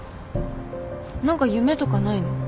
何か夢とかないの？